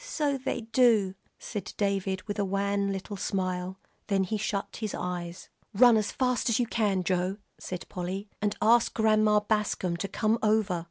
"So they do," said David, with a wan little smile. Then he shut his eyes. "Run as fast as you can, Joe," said Polly, "and ask Grandma Bascom to come over."